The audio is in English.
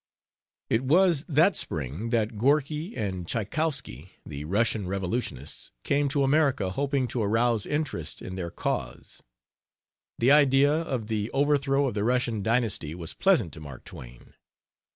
It was that spring that Gorky and Tchaikowski, the Russian revolutionists, came to America hoping to arouse interest in their cause. The idea of the overthrow of the Russian dynasty was pleasant to Mark Twain.